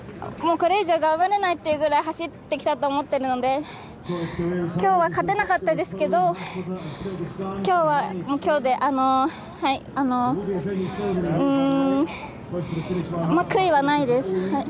これ以上頑張れないっていうぐらい走ってきたと思っているので、今日は勝てなかったですけど、今日は今日ではい、うん、まぁ、悔いはないです。